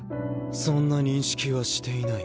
そんな認識はしていない。